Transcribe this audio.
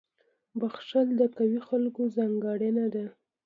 • بخښل د قوي خلکو ځانګړنه ده.